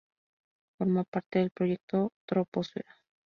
Forma parte del proyecto Troposfera.